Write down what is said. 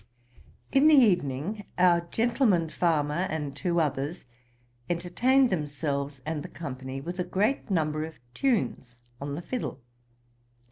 In the evening our gentleman farmer, and two others, entertained themselves and the company with a great number of tunes on the fiddle.